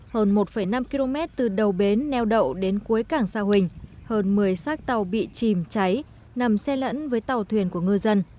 hơn một năm km từ đầu bến neo đậu đến cuối cảng sa huỳnh hơn một mươi xác tàu bị chìm cháy nằm xe lẫn với tàu thuyền của ngư dân